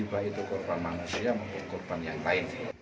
baik itu korban manusia maupun korban yang lain